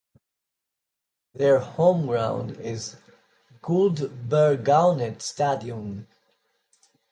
Their home ground is Guldbergaunet stadion.